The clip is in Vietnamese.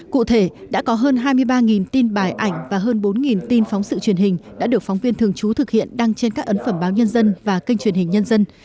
cụ thể đã có hơn hai mươi ba tin bài ảnh và hơn bốn tin phóng sự truyền hình đã được phóng viên thường trú thực hiện đăng trên các ấn phẩm báo nhân dân và kênh truyền hình nhân dân